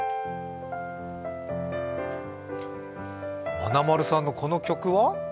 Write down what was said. まなまるさんのこの曲は？